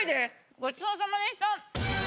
ごちそうさまでした。